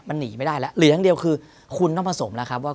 มันหนีไม่ได้แล้วเหลืออย่างเดียวคือคุณต้องผสมแล้วครับว่า